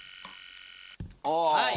はい。